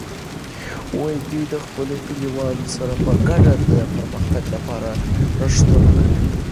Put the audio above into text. دوی د خپلو کلیوالو سره په ګډه د پرمختګ لپاره نوښتونه کوي.